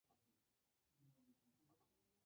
La ronda finaliza cuando se han jugado todas las cartas.